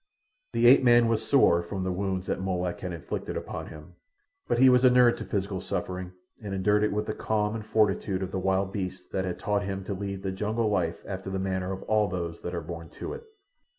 The ape man was sore from the wounds that Molak had inflicted upon him, but he was inured to physical suffering and endured it with the calm and fortitude of the wild beasts that had taught him to lead the jungle life after the manner of all those that are born to it.